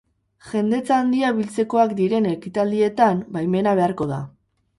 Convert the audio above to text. Jendetza handia biltzekoak diren ekitaldietan, baimena beharko da.